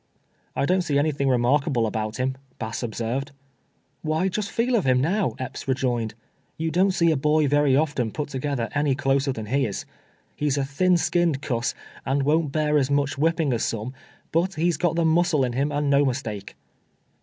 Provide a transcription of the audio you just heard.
" I don't see anything remarkable about him," Bass observed. " Why, just feel of him, now," Epps rejoined. " You don't see a boy very often put together any closer than he is. lie's a thin skin'd cuss, and won't bear as much whipping as some ; but he's got the muscle in him, and no mistake.